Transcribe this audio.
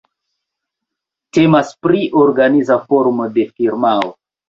Temas pri organiza formo de firmao.